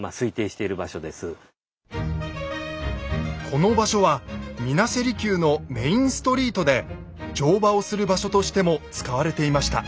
この場所は水無瀬離宮のメインストリートで乗馬をする場所としても使われていました。